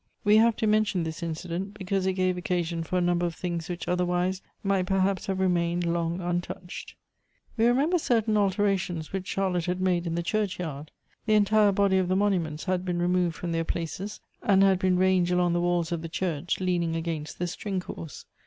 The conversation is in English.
We have to mention this incident, because it gave occasion for a number of things which otherwise might perhaps have remained long untouched. We remember certain alterations which Charlotte had made in the churchyard. The entire body of the monu ments had been removed from their places, and had been ranged along the walls of the church, leaning against the string course.